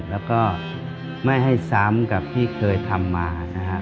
แล้วก็ไม่ให้ซ้ำกับที่เคยทำมานะฮะ